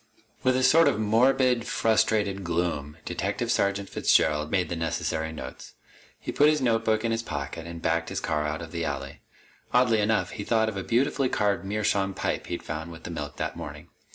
With a sort of morbid, frustrated gloom, Detective Sergeant Fitzgerald made the necessary notes. He put his notebook in his pocket and backed his car out of the alley. Oddly enough, he thought of a beautifully carved meerschaum pipe he'd found with the milk that morning.